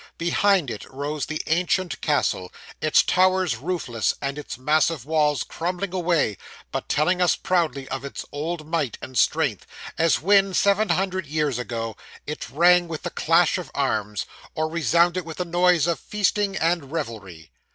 Behind it rose the ancient castle, its towers roofless, and its massive walls crumbling away, but telling us proudly of its old might and strength, as when, seven hundred years ago, it rang with the clash of arms, or resounded with the noise of feasting and revelry.